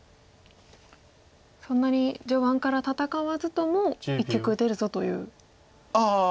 そんなに序盤から戦わずとも一局打てるぞということですか。